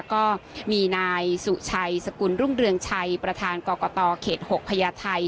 ก็มีนายสุชัยสกุลรุ่งเรืองชัยประธานกรกตเขต๖พญาไทย